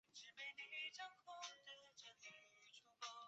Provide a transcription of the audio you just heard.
在那里神女俄诺斯爱上了他。